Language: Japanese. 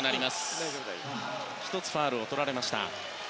日本１つ、ファウルをとられました。